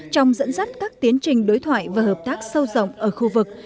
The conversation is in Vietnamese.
trong dẫn dắt các tiến trình đối thoại và hợp tác sâu rộng ở khu vực